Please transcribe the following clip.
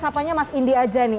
sapa nya mas indi aja nih